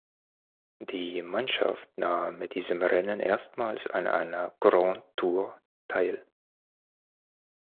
Die Mannschaft nahm mit diesem Rennen erstmals an einer "Grand Tour" teil.